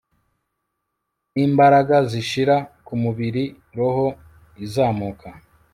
Nimbaraga zishira kumubiri roho izamuka